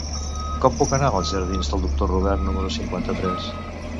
Com puc anar als jardins del Doctor Robert número cinquanta-tres?